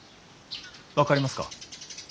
分かりますか？